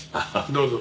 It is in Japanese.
どうぞ。